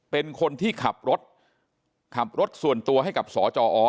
เป็นคนที่ขับรถขับรถส่วนตัวให้กับสจอ